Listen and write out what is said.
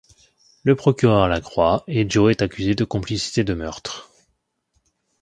Le procureur la croit et Joe est accusé de complicité de meurtre.